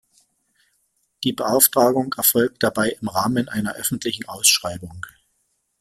Die Beauftragung erfolgt dabei im Rahmen einer öffentlichen Ausschreibung.